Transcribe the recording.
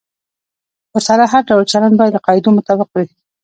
ورسره هر ډول چلند باید د قاعدو مطابق وي.